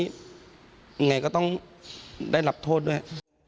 ยังไงก็ต้องได้รับโทษด้วย